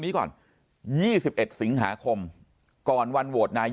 ที่ไม่มีนิวบายในการแก้ไขมาตรา๑๑๒